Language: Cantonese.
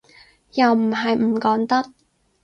又唔係唔講得